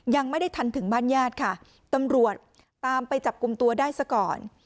ยังไม่ได้ทันถึงบ้านญาติค่ะตำรวจตามไปจับกลุ่มตัวได้ซะก่อน